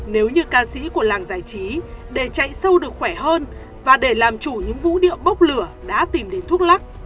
nếu như ca sĩ của làng giải trí để chạy sâu được khỏe hơn và để làm chủ những vũ điệu bốc lửa đã tìm đến thuốc lắc